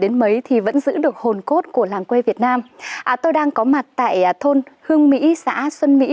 đến mấy thì vẫn giữ được hồn cốt của làng quê việt nam tôi đang có mặt tại thôn hương mỹ xã xuân mỹ